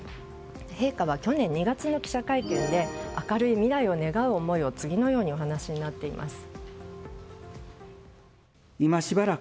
陛下は去年２月の記者会見で明るい未来を願う思いを次のようにお話になっています。